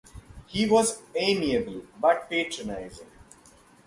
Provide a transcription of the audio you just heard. He was amiable, but patronizing.